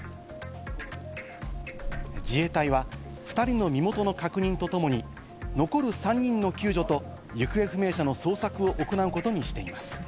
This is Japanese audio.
自衛隊は２人の身元の確認とともに、残る３人の救助と行方不明者の捜索を行うことにしています。